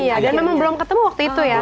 iya dan memang belum ketemu waktu itu ya